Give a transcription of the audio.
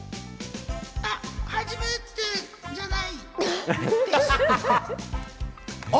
あっ、初めて、じゃない。